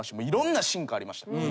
いろんな進化ありました。